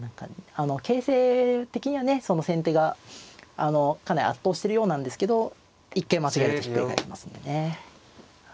形勢的にはね先手がかなり圧倒してるようなんですけど一回間違えるとひっくり返りますんでね。